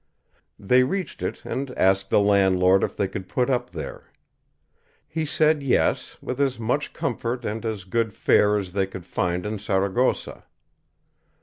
They reached it, and asked the landlord if they could put up there. He said yes, with as much comfort and as good fare as they could find in Saragossa.